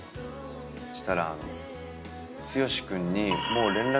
そしたら剛君に。